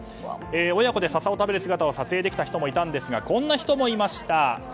親子でササを食べる姿を撮影できた方もいたんですがこんな人もいました。